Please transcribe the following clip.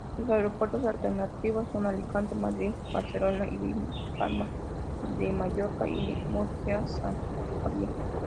Sus aeropuertos alternativos son Alicante, Madrid, Barcelona, Ibiza, Palma de Mallorca y Murcia-San Javier.